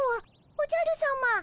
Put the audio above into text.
おじゃるさま。